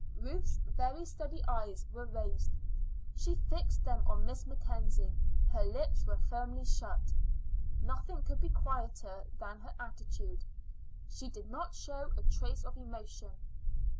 Ruth's very steady eyes were raised; she fixed them on Miss Mackenzie. Her lips were firmly shut. Nothing could be quieter than her attitude; she did not show a trace of emotion.